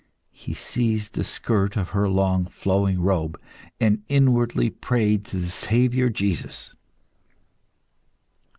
He seized the skirt of her long, flowing robe, and inwardly prayed to the Saviour Jesus.